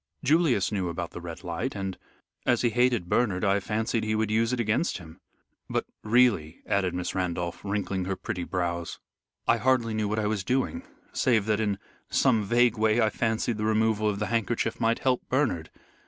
Julius knew about the Red Light, and, as he hated Bernard, I fancied he would use it against him. But really," added Miss Randolph, wrinkling her pretty brows, "I hardly knew what I was doing, save that in some vague way I fancied the removal of the handkerchief might help Bernard.